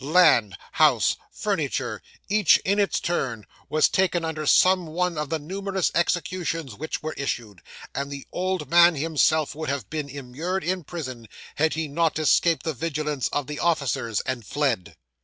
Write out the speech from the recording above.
Land, house, furniture, each in its turn, was taken under some one of the numerous executions which were issued; and the old man himself would have been immured in prison had he not escaped the vigilance of the officers, and fled.